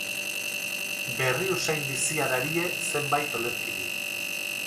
Berri usain bizia darie zenbait olerkiri.